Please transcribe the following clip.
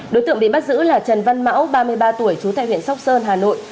đối tượng bị bắt giữ là trần văn mão ba mươi ba tuổi trú tại huyện sóc sơn hà nội